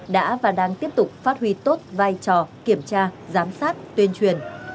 đã và đang tiếp tục phát huy tốt vai trò kiểm tra giám sát tuyên truyền